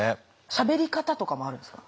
しゃべり方とかもあるんですか？